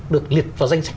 được liệt vào danh sách